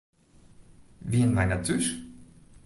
Wienen wy net thús?